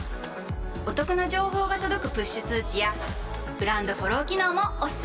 お得な情報が届くプッシュ通知やブランドフォロー機能もおすすめ！